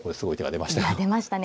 出ましたね。